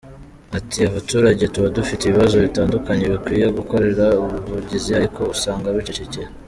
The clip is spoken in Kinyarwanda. Ati “Abaturage tuba dufite ibibazo bitandukanye bakwiye gukorera ubuvugizi ariko usanga bicecekeye.